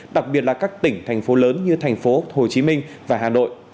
đặc biệt là các tỉnh thành phố lớn như thành phố hồ chí minh và hà nội